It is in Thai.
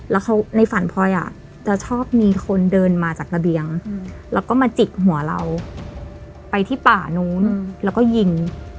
แล้วเขาในฝันพลอยจะชอบมีคนเดินมาจากระเบียงแล้วก็มาจิกหัวเราไปที่ป่านู้นแล้วก็ยิง